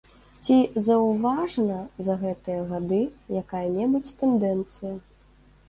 Ці заўважна за гэтыя гады якая-небудзь тэндэнцыя?